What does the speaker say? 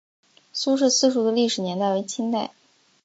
苏氏私塾的历史年代为清代。